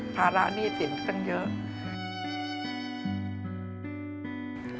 ภาระนี่จริงกันเยอะ